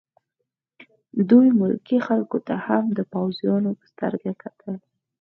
دوی ملکي خلکو ته هم د پوځیانو په سترګه کتل